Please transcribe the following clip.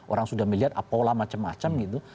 orang sudah melihat apola macam macam gitu